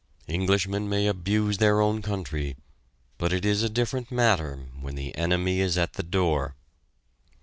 Englishmen may abuse their own country, but it is a different matter when the enemy is at the door.